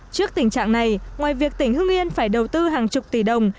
trước tình trạng này ngoài việc tỉnh hưng yên phải đầu tư hàng chục tỷ đồng